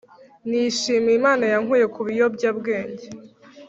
Nshimiye imana yankuye kubiyobya bwenge